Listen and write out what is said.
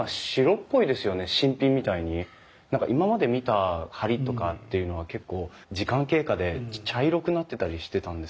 何か今まで見た梁とかっていうのは結構時間経過で茶色くなってたりしてたんですけど。